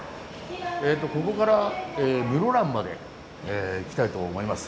ここから室蘭まで行きたいと思います。